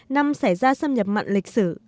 năm xảy ra xâm nhập mặn lịch sử